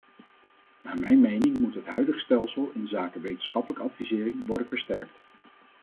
Naar mijn mening moet het huidig stelsel inzake wetenschappelijke advisering worden versterkt.